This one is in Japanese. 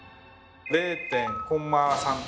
０．コンマ３とか。